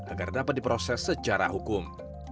agar dapat diproses secara hukum